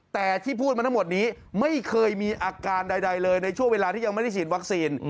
แต่ที่พูดมาทั้งหมดนี้ไม่เคยมีอาการใดเลยในช่วงเวลาที่ยังไม่ได้ฉีดวัคซีน